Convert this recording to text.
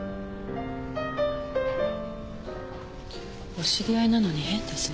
お知り合いなのに変ですね。